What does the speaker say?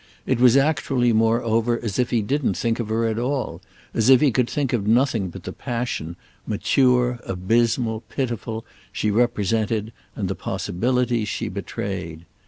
It was actually moreover as if he didn't think of her at all, as if he could think of nothing but the passion, mature, abysmal, pitiful, she represented, and the possibilities she betrayed.